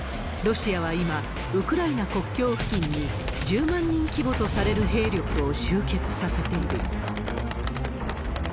ロシアは今、ウクライナ国境付近に１０万人規模とされる兵力を集結させている。